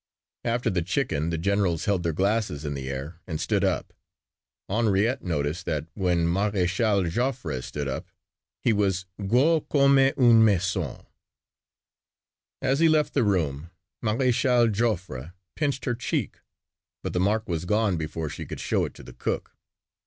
After the chicken the generals held their glasses in the air and stood up. Henriette noticed that when Maréchal Joffre stood up he was "gros comme une maison." As he left the room Maréchal Joffre pinched her cheek but the mark was gone before she could show it to the cook.